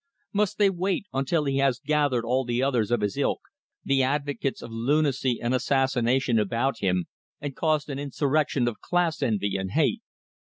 Must they wait until he has gathered all the others of his ilk, the advocates of lunacy and assassination about him, and caused an insurrection of class envy and hate?